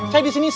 saya disini set